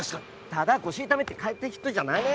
ただ腰痛めて帰った人じゃないね。